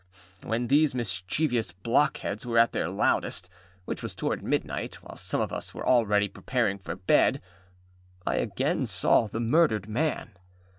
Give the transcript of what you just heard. When these mischievous blockheads were at their loudest, which was towards midnight, while some of us were already preparing for bed, I again saw the murdered man.